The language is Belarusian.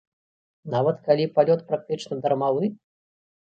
Нават калі палёт практычна дармавы?